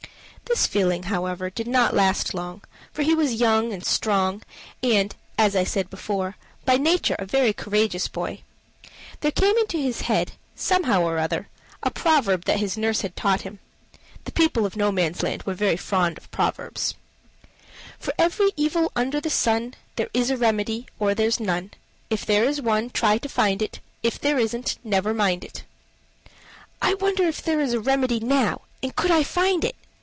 This feeling, however, did not last long, for he was young and strong, and, I said before, by nature a very courageous boy. There came into his head, somehow or other, a proverb that his nurse had taught him the people of Nomansland were very fond of proverbs: "For every evil under the sun There is a remedy, or there's none; If there is one, try to find it If there isn't, never mind it." "I wonder is there a remedy now, and could I find it?"